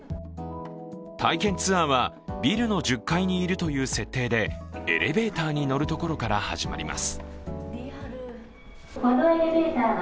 体験ツアーはビルの１０階にいるという設定でエレベーターに乗るところから始まります。